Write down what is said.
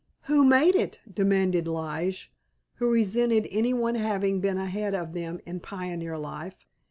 "Who made it?" demanded Lige, who resented any one having been ahead of them in pioneer life.